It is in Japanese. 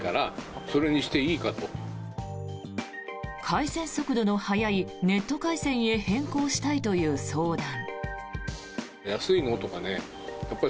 回線速度の速いネット回線へ変更したいという相談。